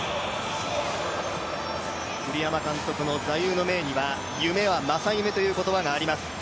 栗山監督の座右の銘には、夢は正夢ということがあります。